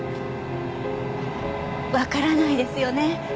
わからないですよね